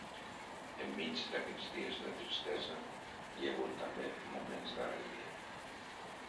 Enmig d'aquests dies de tristesa, hi ha hagut també moments d'alegria.